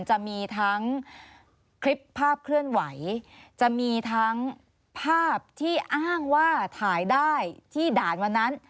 จะมีทั้งคลิปภาพเคลื่อนไหวจะมีทั้งภาพที่อ้างว่าถ่ายได้ที่ด่านวันนั้น